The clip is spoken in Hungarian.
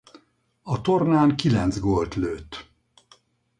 A tornán kilenc gólt lőtt.